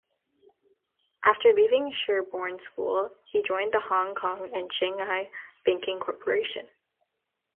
After leaving Sherborne School he joined the Hong Kong and Shanghai Banking Corporation.